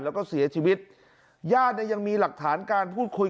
แล้วก็เสียชีวิตญาติเนี่ยยังมีหลักฐานการพูดคุย